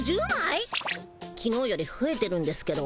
きのうよりふえてるんですけど。